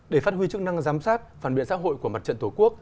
để phát huy chức năng giám sát phản biện xã hội của mặt trận tổ quốc